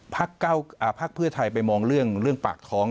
ภาคเก้าภาคเพื่อไทยไปมองเรื่องเรื่องปากท้อง